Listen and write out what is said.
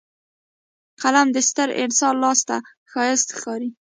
قلم د ستر انسان لاس کې ښایسته ښکاري